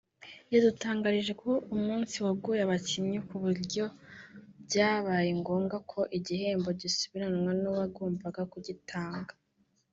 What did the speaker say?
yadutangarije ko umunsi wagoye abakinnyi ku buryo byabaye ngombwa ko igihembo gisubiranwa n’uwagombaga kugitanga